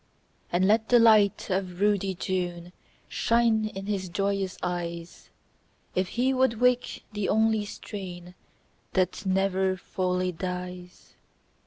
And let the light of ruddy June Shine in his joyous eyes. If he would wake the only strain That never fully dies